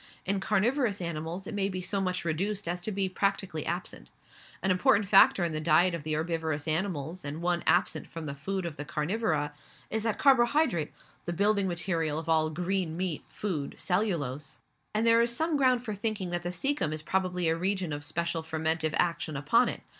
In carnivorous animals it may be so much reduced as to be practically absent. An important factor in the diet of the herbivorous animals, and one absent from the food of the carnivora, is that carbohydrate, the building material of all green meat [food], cellulose, and there is some ground for thinking that the caecum is probably a region of special fermentive action upon it.